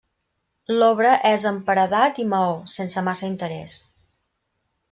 L'obra és amb paredat i maó, sense massa interès.